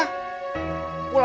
pulang gak di rumah